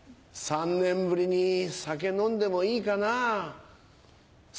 ３年ぶりに酒飲んでもいいかな？